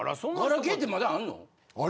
ガラケーってまだあんの？